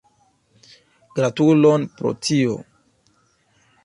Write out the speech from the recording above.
Gratulon pro tio!